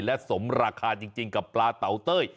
และสมราคาจริงกับปลาเตาเต้ย